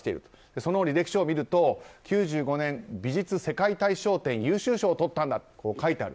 その履歴書を見ると９５年、美術世界大賞展優秀賞をとったんだと書いてある。